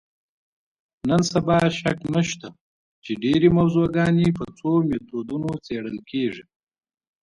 نن سبا شک نشته چې ډېری موضوعګانې په څو میتودونو څېړل کېږي.